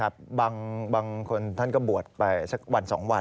บางคนท่านก็บวชไปสักวัน๒วัน